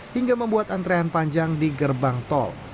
hingga membuat antrean panjang di gerbang tol